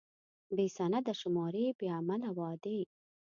بې سنده شمارې، بې عمله وعدې.